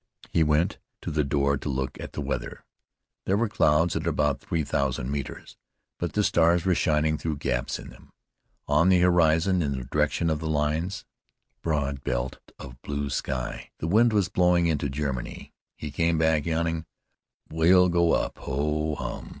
He went to the door to look at the weather. There were clouds at about three thousand metres, but the stars were shining through gaps in them. On the horizon, in the direction of the lines, there was a broad belt of blue sky. The wind was blowing into Germany. He came back yawning. "We'll go up ho, hum!"